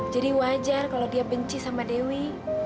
jadi wajar kalau dia benci sama dewi